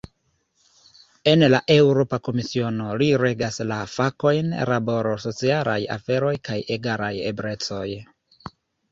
En la Eŭropa Komisiono, li regas la fakojn "laboro, socialaj aferoj kaj egalaj eblecoj".